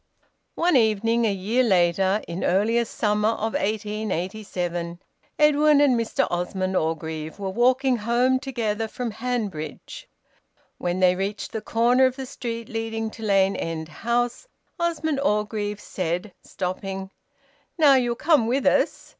One evening, a year later, in earliest summer of 1887, Edwin and Mr Osmond Orgreave were walking home together from Hanbridge. When they reached the corner of the street leading to Lane End House, Osmond Orgreave said, stopping "Now you'll come with us?"